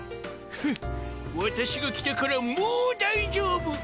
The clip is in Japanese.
フッわたしが来たからもう大丈夫。